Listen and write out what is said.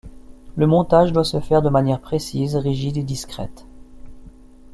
Le montage doit se faire de manière précise, rigide et discrète.